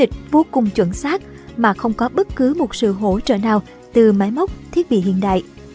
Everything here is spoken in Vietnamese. lịch vô cùng chuẩn xác mà không có bất cứ một sự hỗ trợ nào từ máy móc thiết bị hiện đại